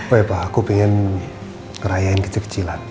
oh iya pak aku pengen ngerayain kecil kecilan